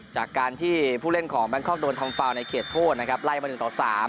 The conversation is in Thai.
จากการที่ผู้เล่นของแบงคอกโดนทำฟาวในเขตโทษนะครับไล่มา๑ต่อ๓